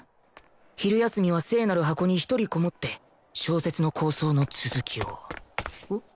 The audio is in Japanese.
昼休みは聖なる箱に１人こもって小説の構想の続きをん？